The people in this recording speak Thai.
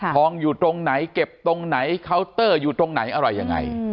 อยู่ตรงไหนเก็บตรงไหนเคาน์เตอร์อยู่ตรงไหนอะไรยังไง